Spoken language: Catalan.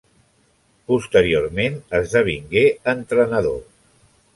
Posteriorment esdevingué entrenador.